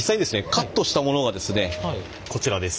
カットしたものがですねこちらです。